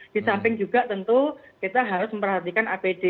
di samping juga tentu kita harus memperhatikan apd